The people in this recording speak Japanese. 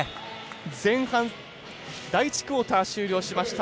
前半、第１クオーター終了しました。